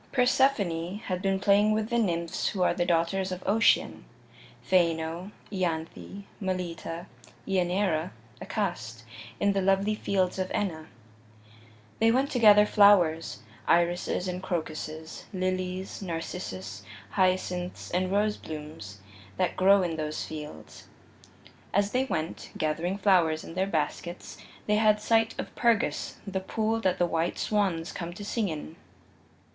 II Persephone had been playing with the nymphs who are the daughters of Ocean Phaeno, Ianthe, Melita, Ianeira, Acast in the lovely fields of Enna. They went to gather flowers irises and crocuses, lilies, narcissus, hyacinths and roseblooms that grow in those fields. As they went, gathering flowers in their baskets, they had sight of Pergus, the pool that the white swans come to sing in.